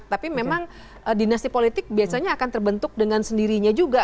tapi memang dinasti politik biasanya akan terbentuk dengan sendirinya juga